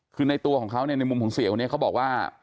คือในตัวของเขาเนี่ยในมุมของเสียคนนี้เขาบอกว่า